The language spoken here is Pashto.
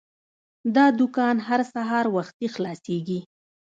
دا دوکان هر سهار وختي خلاصیږي.